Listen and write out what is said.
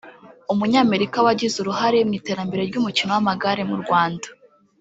Umunyamerika wagize uruhare mu iterambere ry’umukino w’amagare mu Rwanda